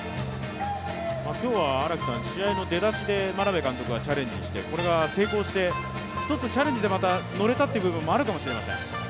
今日は試合の出だしで眞鍋監督がチャレンジをしてこれが成功して、１つチャレンジでまた乗れたという部分があるかもしれません。